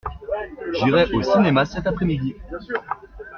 J’irai au cinéma cet après-midi.